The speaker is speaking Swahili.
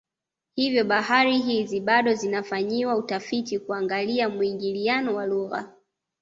Hivyo habari hizi bado zinafanyiwa utafiti kuangalia muingiliano wa lugha